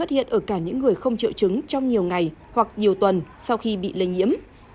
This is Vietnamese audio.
triệu chứng trong nhiều ngày hoặc nhiều tuần sau khi bị lây nhiễm